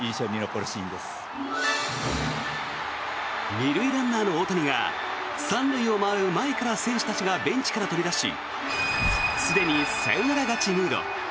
２塁ランナーの大谷が３塁を回る前からベンチから選手たちが飛び出しすでにサヨナラ勝ちムード。